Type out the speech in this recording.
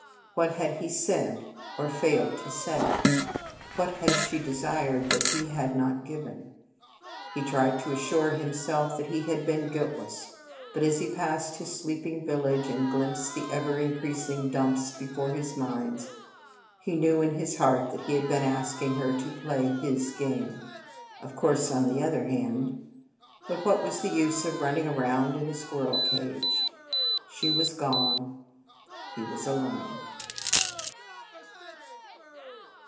What had he said, or failed to say? What had she desired that he had not given? He tried to assure himself that he had been guiltless, but as he passed his sleeping village and glimpsed the ever increasing dumps before his mines, he knew in his heart that he had been asking her to play his game. Of course, on the other hand But what was the use of running around in a squirrel cage! She was gone. He was alone.